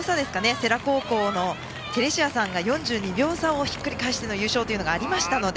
世羅高校のテレシアさんが４２秒差をひっくり返しての優勝がありましたので。